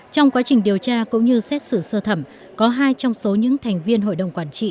trong quá trình điều tra cũng như xét xử sơ thẩm có hai trong số những thành viên hội đồng quản trị